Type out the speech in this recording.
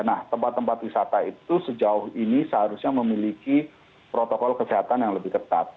nah tempat tempat wisata itu sejauh ini seharusnya memiliki protokol kesehatan yang lebih ketat